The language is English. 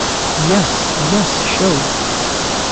Yes, Yes Show!